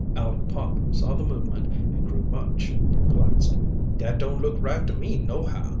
Aleck Pop saw the movement and grew much perplexed. "Dat don't look right to me, nohow!"